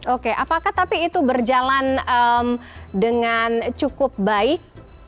oke apakah tapi itu berjalan dengan cukup baik